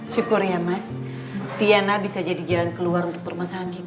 syukur ya mas tiana bisa jadi jalan keluar untuk permasalahan ini